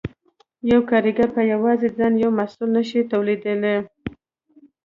یو کارګر په یوازې ځان یو محصول نشي تولیدولی